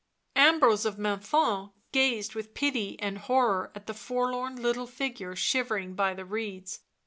... Ambrose of Menthon gazed with pity and horror at the forlorn little figure shivering by the reeds.